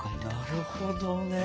なるほどね。